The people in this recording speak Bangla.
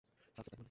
সাবসেট কাকে বলে?